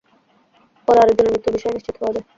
পরে আরেকজনের মৃত্যুর বিষয়ে নিশ্চিত হওয়া যায়।